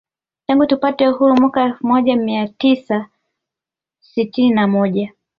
Tangu tupate uhuru mwaka elfu moja mia tisa sitini na moja